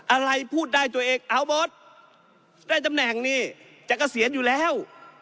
อะไรพูดได้ตัวเองเอาบทได้ตำแหน่งนี่จะเกษียณอยู่แล้ว